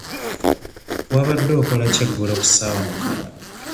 Wabadde okola ki eggulo ku ssaawa mukaaga?